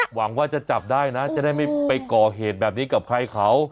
หวังว่าจะจับได้นะจะได้ไม่ไปก่อเหตุแบบนี้กับใครเขา